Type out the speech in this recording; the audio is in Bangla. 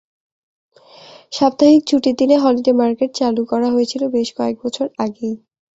সাপ্তাহিক ছুটির দিনে হলিডে মার্কেট চালু করা হয়েছিল বেশ কয়েক বছর আগেই।